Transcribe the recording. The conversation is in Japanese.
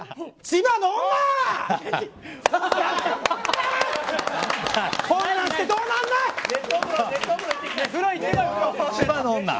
千葉の女。